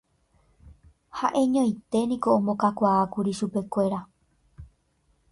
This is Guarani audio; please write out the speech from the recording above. Ha'eñoiténiko omongakuaákuri chupekuéra